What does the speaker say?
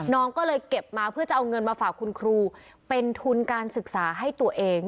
น้องก็เลยเก็บมาเพื่อจะเอาเงินมาฝากคุณครูเป็นทุนการศึกษาให้ตัวเอง